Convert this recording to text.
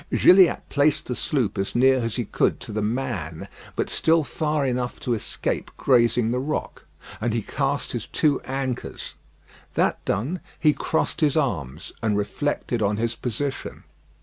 Gilliatt placed the sloop as near as he could to "The Man," but still far enough to escape grazing the rock; and he cast his two anchors. That done, he crossed his arms, and reflected on his position.